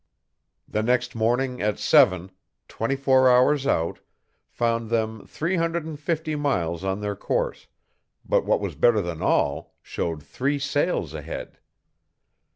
The next morning at seven, twenty four hours out, found them three hundred and fifty miles on their course, but what was better than all, showed three sails ahead.